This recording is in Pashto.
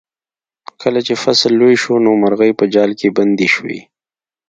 کله چې فصل لوی شو نو مرغۍ په جال کې بندې شوې.